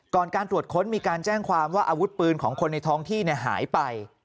การตรวจค้นมีการแจ้งความว่าอาวุธปืนของคนในท้องที่หายไป